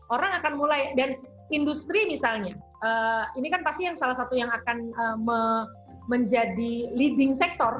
orang akan mulai dan industri misalnya ini kan pasti yang salah satu yang akan menjadi leading sector